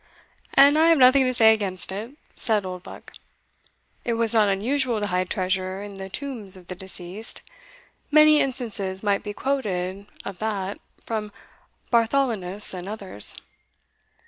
"And I have nothing to say against it," said Oldbuck: "it was not unusual to hide treasure in the tombs of the deceased many instances might be quoted of that from Bartholinus and others."